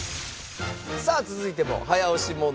さあ続いても早押し問題です。